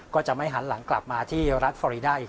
ก็จะไม่หันหลังกลับมาที่รัฐฟอรีได